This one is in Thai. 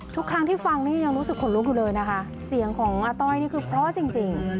ทุกครั้งที่ฟังนี่ยังรู้สึกขนลุกอยู่เลยนะคะเสียงของอาต้อยนี่คือเพราะจริง